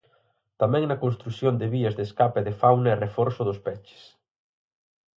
Tamén na construción de vías de escape de fauna e reforzo dos peches.